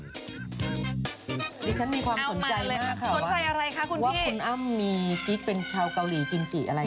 ดิฉันมีความสนใจมากค่ะว่าว่าคุณอ้ำมีกิ๊กเป็นชาวเกาหลีจริงอะไร